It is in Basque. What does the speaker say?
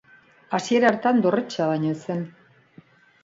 Hasiera hartan dorretxea baino ez zen.